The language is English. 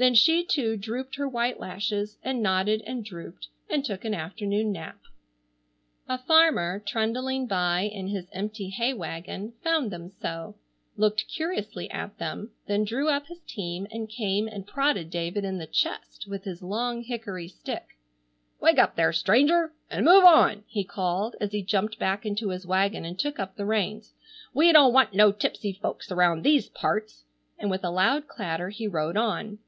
Then she too drooped her white lashes, and nodded and drooped, and took an afternoon nap. A farmer, trundling by in his empty hay wagon, found them so, looked curiously at them, then drew up his team and came and prodded David in the chest with his long hickory stick. "Wake up, there, stranger, and move on," he called, as he jumped back into his wagon and took up the reins. "We don't want no tipsy folks around these parts," and with a loud clatter he rode on.